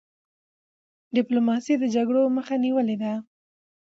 ډيپلوماسی د جګړو مخه نیولې ده.